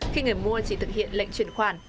khi người mua chỉ thực hiện lệnh truyền khoản